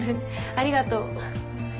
ありがとう。